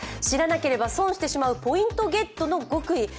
知らなければ損してしまうポイントゲットの極意。